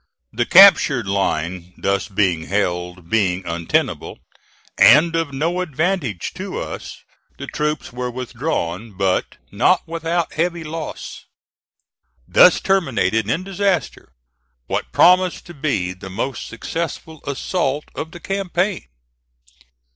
The captured line thus held being untenable, and of no advantage to us, the troops were withdrawn, but not without heavy loss. Thus terminated in disaster what promised to be the most successful assault of the campaign.